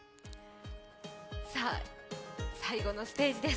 最後のステージです。